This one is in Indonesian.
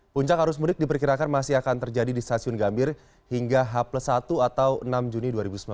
puncak arus mudik diperkirakan masih akan terjadi di stasiun gambir hingga h plus satu atau enam juni dua ribu sembilan belas